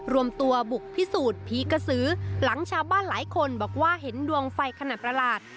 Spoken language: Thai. รวมตัวบุกพิสูจน์ผีกระสือหลังชาวบ้านหลายคนบอกว่าเห็นดวงไฟขนาดประหลาด